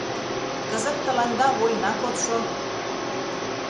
Кызыт тыланда вольна кодшо.